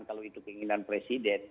kalau itu keinginan presiden